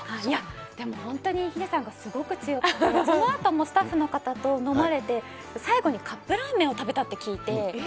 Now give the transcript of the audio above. いや、でも本当にヒデさんがすごく強くて、そのあともスタッフの方と飲まれて、最後にカップラーメンを食べたって聞いて。